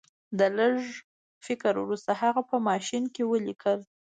د لږ فکر وروسته هغه په ماشین کې ولیکل